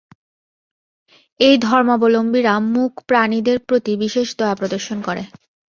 এই ধর্মাবলম্বীরা মূক প্রাণীদের প্রতি বিশেষ দয়া প্রদর্শন করে।